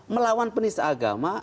melawan penis agama